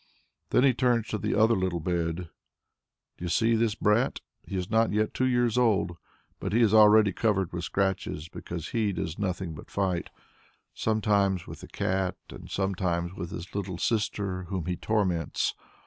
Then he turns to the other little bed. Do you see this brat? He is not yet two years old, but he is already covered with scratches because he does nothing but fight, sometimes with the cat, and sometimes with his little sister, whom he torments.